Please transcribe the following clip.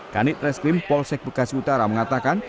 kanit reskrim polsek bekasi utara mengatakan